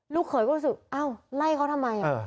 เขยก็รู้สึกอ้าวไล่เขาทำไม